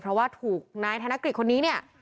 เพราะว่าถูกนายธนกฤษคนนี้เนี่ย